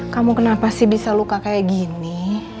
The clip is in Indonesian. kamu kenapa sih bisa luka kayak gini